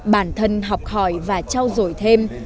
bản thân học hỏi và trao dổi thêm